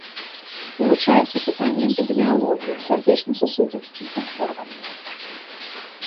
Вывучаюцца пытанні эпідэміялогіі сардэчна-сасудзістых захворванняў.